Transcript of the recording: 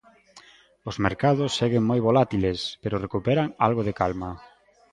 Os mercados seguen moi volátiles, pero recuperan algo de calma.